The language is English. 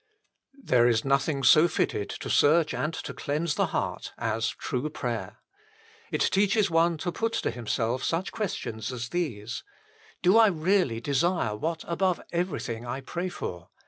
There is nothing so fitted to search and to cleanse the heart as true prayer. It teaches one to put to himself such questions as these : Do I really desire what above everything I pray for